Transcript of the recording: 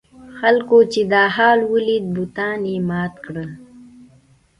خلکو چې دا حال ولید بتان یې مات کړل.